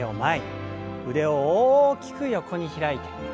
腕を大きく横に開いて。